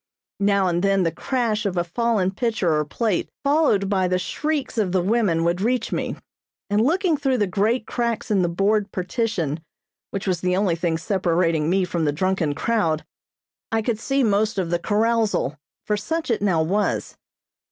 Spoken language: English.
Now and then the crash of a fallen pitcher or plate, followed by the shrieks of the women would reach me, and looking through the great cracks in the board partition which was the only thing separating me from the drunken crowd, I could see most of the carousal, for such it now was.